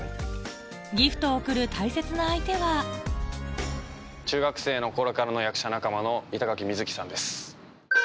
ギフトを贈る大切な相手は中学生の頃からの役者仲間の板垣瑞生さんです。